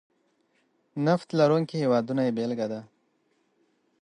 نفت لرونکي هېوادونه یې بېلګه ده.